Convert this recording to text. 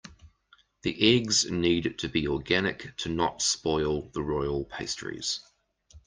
The eggs need to be organic to not spoil the royal pastries.